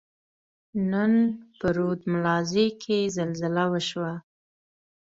نن په رود ملازۍ کښي زلزله وشوه.